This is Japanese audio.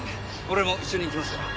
俺も一緒に行きますから。